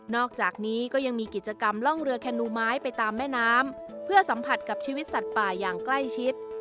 อกจากนี้ก็ยังมีกิจกรรมล่องเรือแคนูไม้ไปตามแม่น้ำเพื่อสัมผัสกับชีวิตสัตว์ป่าอย่างใกล้ชิด